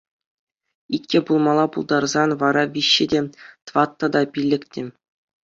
Иккӗ пулма пултарсан вара виҫҫӗ те, тваттӑ та, пиллӗк те...